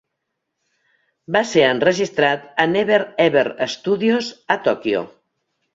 Va ser enregistrat a Never Ever Studios a Tòquio.